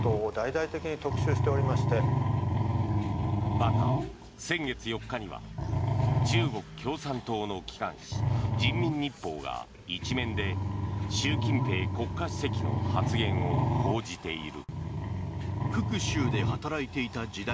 また先月４日には中国共産党の機関紙、人民日報が１面で習近平国家主席の発言を報じている。